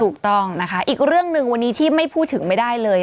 ถูกต้องนะคะอีกเรื่องหนึ่งวันนี้ที่ไม่พูดถึงไม่ได้เลย